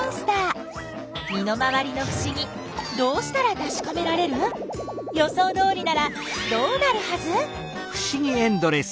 身の回りのふしぎどうしたらたしかめられる？予想どおりならどうなるはず？